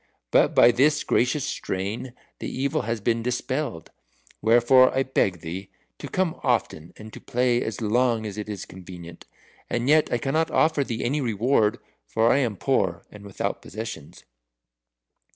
But by this gracious strain the evil has been dispelled. Wherefore I beg thee to come often and to play as long as is convenient. And yet I cannot offer thee any reward, for I am poor and without possessions."